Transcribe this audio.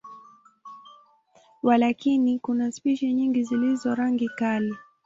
Walakini, kuna spishi nyingi zilizo rangi kali.